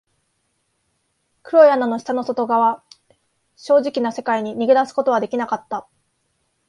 黒い穴の下の外側、正常な世界に逃げ出すことはできなかった。